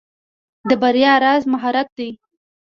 د بریا راز مهارت دی.